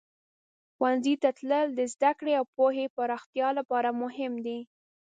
ښوونځي ته تلل د زده کړې او پوهې پراختیا لپاره مهم دی.